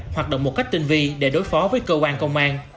hoạt động một cách tinh vi để đối phó với cơ quan công an